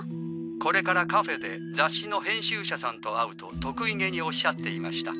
これからカフェで雑誌の編集者さんと会うと得意気におっしゃっていました。